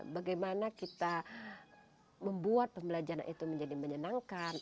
bagaimana kita membuat pembelajaran itu menjadi menyenangkan